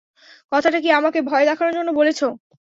কথাটা কি আমাকে ভয় দেখানোর জন্য বলেছ?